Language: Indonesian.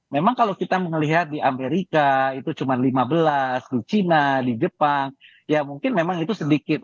memang kalau kita melihat di amerika itu cuma lima belas di china di jepang ya mungkin memang itu sedikit